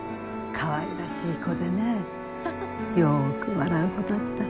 かわいらしい子でねよく笑う子だった。